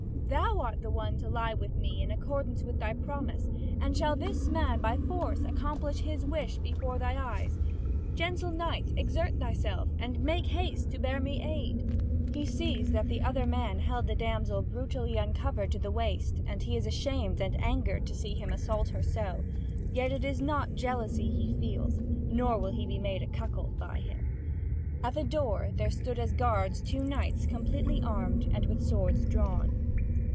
Thou art the one to lie with me, in accordance with thy promise; and shall this man by force accomplish his wish before thy eyes? Gentle knight, exert thyself, and make haste to bear me aid." He sees that the other man held the damsel brutally uncovered to the waist, and he is ashamed and angered to see him assault her so; yet it is not jealousy he feels, nor will he be made a cuckold by him. At the door there stood as guards two knights completely armed and with swords drawn.